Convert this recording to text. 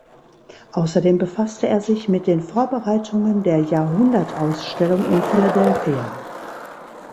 Außerdem befasste er sich mit den Vorbereitungen der Jahrhundertausstellung in Philadelphia.